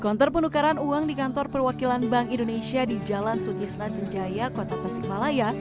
konter penukaran uang di kantor perwakilan bank indonesia di jalan sutisna senjaya kota tasikmalaya